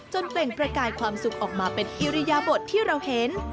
เปล่งประกายความสุขออกมาเป็นอิริยบทที่เราเห็น